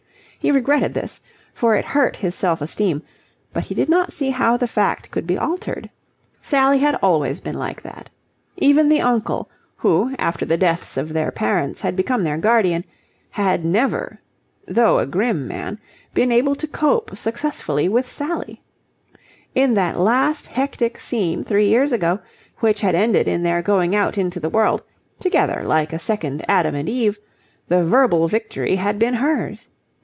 He regretted this, for it hurt his self esteem, but he did not see how the fact could be altered. Sally had always been like that. Even the uncle, who after the deaths of their parents had become their guardian, had never, though a grim man, been able to cope successfully with Sally. In that last hectic scene three years ago, which had ended in their going out into the world, together like a second Adam and Eve, the verbal victory had been hers.